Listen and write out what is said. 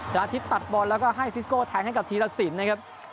อาทิตย์ตัดบอลแล้วก็ให้ซิสโก้แทงให้กับธีรสินนะครับ